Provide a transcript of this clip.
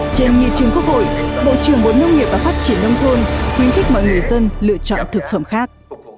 trên nghị trường quốc hội bộ trưởng bộ nông nghiệp và phát triển nông thôn khuyến khích mọi người dân lựa chọn thực phẩm khác